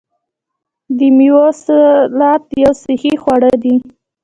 د میوو سلاد یو صحي خواړه دي.